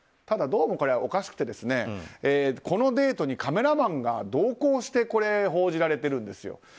ただ、どうもこれはおかしくてこのデートにカメラマンが同行していてこれが報じられているんですよ。